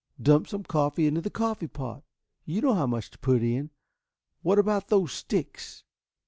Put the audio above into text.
"Dump some coffee into the coffee pot. You know how much to put in. What about those sticks?"